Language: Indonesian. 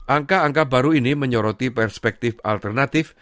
angka angka baru ini menyoroti perspektif alternatif